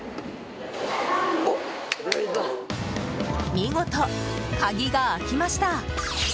見事、鍵が開きました！